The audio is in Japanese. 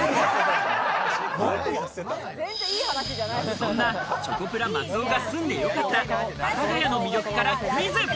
そんなチョコプラ・松尾が住んでよかった幡ヶ谷の魅力からクイズ。